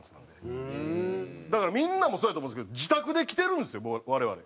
だからみんなもそうやと思うんですけど自宅で着てるんですよ我々。